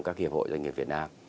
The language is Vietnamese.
các hiệp hội doanh nghiệp việt nam